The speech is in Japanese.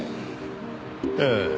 ええ。